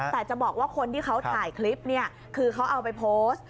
แต่จะบอกว่าคนที่เขาถ่ายคลิปเนี่ยคือเขาเอาไปโพสต์